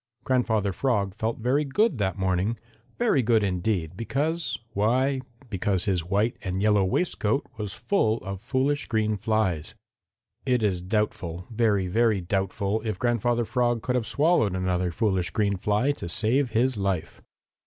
Grandfather Frog felt very good that morning, very good indeed, because why, because his white and yellow waistcoat was full of foolish green flies. It is doubtful, very, very doubtful if Grandfather Frog could have swallowed another foolish green fly to save his life.